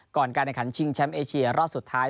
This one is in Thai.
ก่อนการแข่งขันชิงแชมป์เอเชียรอบสุดท้าย